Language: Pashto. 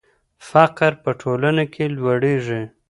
فقر په ټولنه کې لوړېږي.